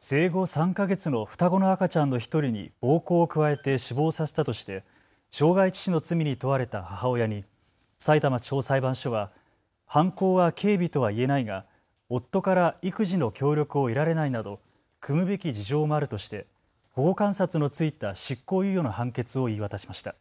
生後３か月の双子の赤ちゃんの１人に暴行を加えて死亡させたとして傷害致死の罪に問われた母親にさいたま地方裁判所は犯行は軽微とは言えないが夫から育児の協力を得られないなど酌むべき事情もあるとして保護観察の付いた執行猶予の判決を言い渡しました。